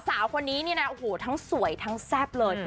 สาวคนนี้เนี่ยนะโอ้โหทั้งสวยทั้งแซ่บเลย